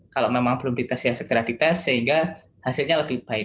kalau memang belum dites ya segera dites sehingga hasilnya lebih baik